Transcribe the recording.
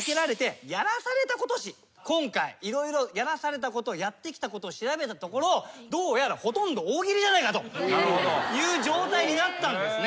今回色々やらされたことやってきたことを調べたところどうやらほとんど大喜利じゃないかという状態になったんですね。